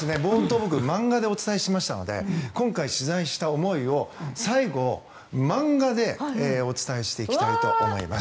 僕、漫画でお伝えしたので今回、取材した思いを最後、漫画でお伝えしていきたいと思います。